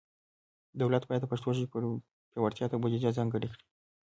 دولت باید د پښتو ژبې پیاوړتیا ته بودیجه ځانګړي کړي.